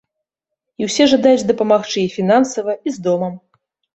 І ўсе жадаюць дапамагчы і фінансава і з домам.